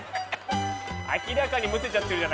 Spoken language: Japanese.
明らかにむせちゃってるじゃないですか。